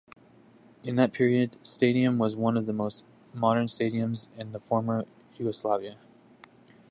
In that period stadium was one of the most modern stadiums in former Yugoslavia.